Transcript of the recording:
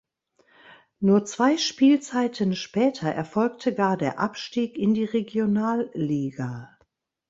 Nur zwei Spielzeiten später erfolgte gar der Abstieg in die Regionalliga.